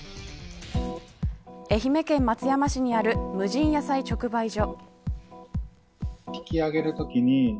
愛媛県松山市にある無人野菜直売所。